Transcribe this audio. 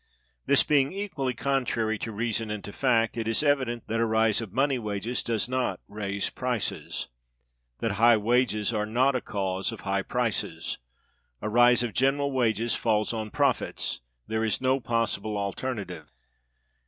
This being equally contrary to reason and to fact, it is evident that a rise of money wages does not raise prices; that high wages are not a cause of high prices. A rise of general wages falls on profits. There is no possible alternative.